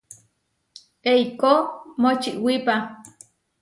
Eikó močiwipa.